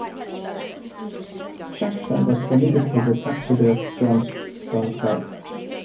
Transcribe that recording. Shaxton was committed to the custody of John Clerk.